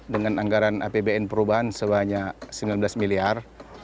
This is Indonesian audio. dengan anggaran apbn perubahan sebanyak sembilan belas miliar